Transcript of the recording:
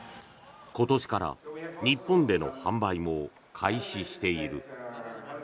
今年から日本での販売も開始している。